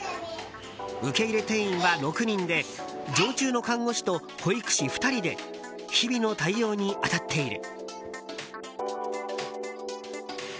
受け入れは定員６人で常駐の看護師と保育士２人で日々の対応に当たっている。